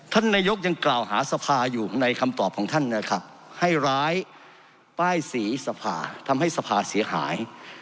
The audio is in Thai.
ท่านนายกยังกล่าวหาสภาอยู่ในคำตอบของท่านนะครับให้ร้ายป้ายสีสภาทำให้สภาเสียหาย